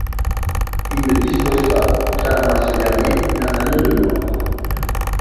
Il ne dispose pas, contrairement à ce dernier, d'un anneau de mors.